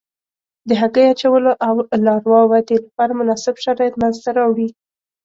د هګۍ اچولو او لاروا ودې لپاره مناسب شرایط منځته راوړي.